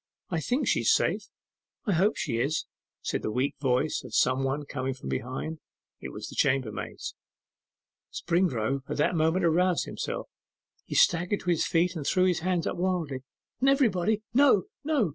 I think she is safe.' 'I hope she is,' said the weak voice of some one coming up from behind. It was the chambermaid's. Springrove at that moment aroused himself; he staggered to his feet, and threw his hands up wildly. 'Everybody, no! no!